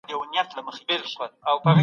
د مچ صحنه ماشوم خندوي.